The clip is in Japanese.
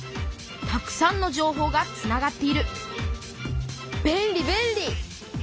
たくさんの情報がつながっている便利便利！